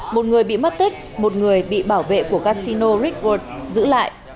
một người bị mất tích một người bị bảo vệ của casino rickworld giữ lại